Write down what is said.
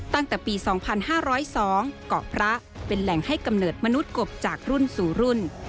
ตั้งแต่ปี๒๕๐๒เกาะพระเป็นแหล่งให้กำเนิดมนุษย์กบจากรุ่นสู่รุ่น